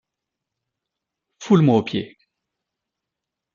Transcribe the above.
Foule-moi aux pieds.